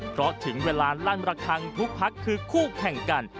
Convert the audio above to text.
เพราะถึงเวลาลั่นระคังทุกพักคือคู่แข่งกัน